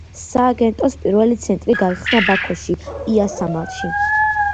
სააგენტოს პირველი ცენტრი გაიხსნა ბაქოში, იასამალში.